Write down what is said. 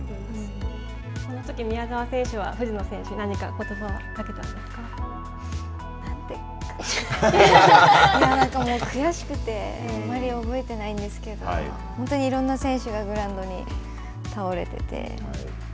このとき宮澤選手は藤野選手にいや、なんかもう悔しくて、あまり覚えてないんですけど、本当にいろんな選手がグラウンドに倒れてて。